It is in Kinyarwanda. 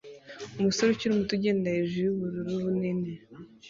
umusore ukiri muto ugenda hejuru yubururu bunini